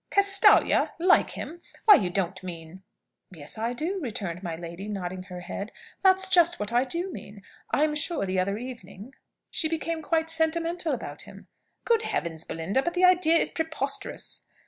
"Castalia! Like him? Why, you don't mean ?" "Yes, I do," returned my lady, nodding her head. "That's just what I do mean. I'm sure, the other evening, she became quite sentimental about him." "Good heavens, Belinda! But the idea is preposterous."